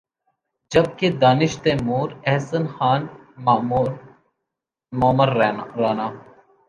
جب کہ دانش تیمور، احسن خان، معمر رانا